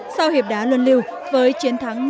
sau hiệp đá luân lưu với chiến thắng